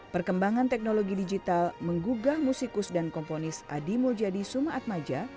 perkembangan teknologi digital menggugah musikus dan komponis adi muljadi sumaat maja